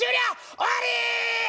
終わり！